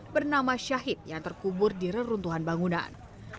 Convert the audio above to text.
bernama syahid yang terkubur di reruntuhan bangunan